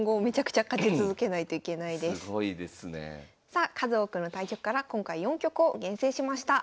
さあ数多くの対局から今回４局を厳選しました。